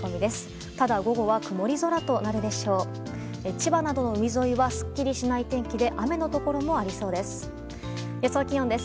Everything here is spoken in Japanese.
千葉など海沿いはすっきりしない天気で雨のところもありそうです。